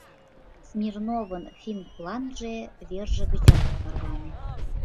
Смирновын финпланже верже гычат ок тарване.